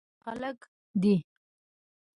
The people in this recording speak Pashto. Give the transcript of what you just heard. دوی زړه ور خلک دي.